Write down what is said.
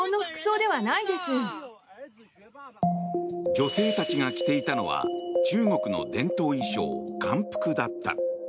女性たちが着ていたのは中国の伝統衣装、漢服だった。